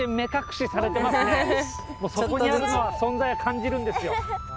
もうそこにあるのは存在は感じるんですよ。